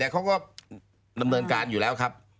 เขาก็ดำเนินการอยู่แล้วครับ